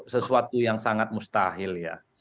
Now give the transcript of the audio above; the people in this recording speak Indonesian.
sesuatu yang sangat mustahil ya